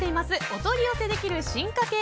お取り寄せできる進化系